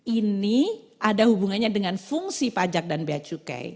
ini ada hubungannya dengan fungsi pajak dan biaya cukai